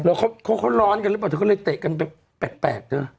เหรอโคลนร้อนหรือเปล่าเธอก็เลยเตะกันแปลกน่ะ